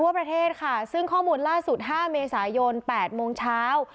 ประเทศค่ะซึ่งข้อมูลล่าสุด๕เมษายน๘โมงเช้า